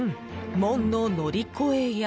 門の乗り越えや。